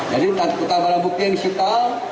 jadi total barang bukti yang disita